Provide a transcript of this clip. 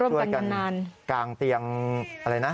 ช่วยกันกลางเตียงอะไรนะ